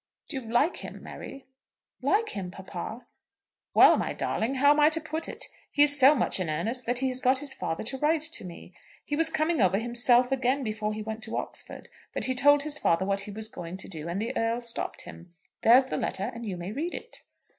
"Do you like him, Mary?" "Like him, papa?" "Well, my darling; how am I to put it? He is so much in earnest that he has got his father to write to me. He was coming over himself again before he went to Oxford; but he told his father what he was going to do, and the Earl stopped him. There's the letter, and you may read it."